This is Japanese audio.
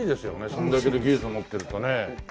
そんだけの技術を持ってるとね。